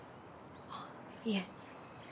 あっいえ。